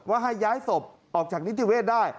ว่าให้ย้ายศพออกจากนิทยาวเวทได้